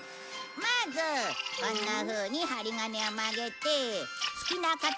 まずこんなふうに針金を曲げて好きな形の芯を作る。